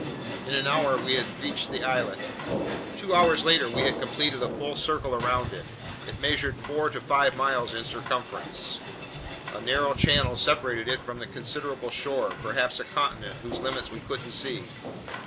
In an hour we had reached the islet. Two hours later we had completed a full circle around it. It measured four to five miles in circumference. A narrow channel separated it from a considerable shore, perhaps a continent whose limits we couldn't see.